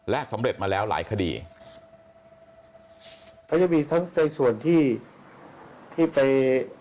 และสำเร็จมาแล้วหลายคดี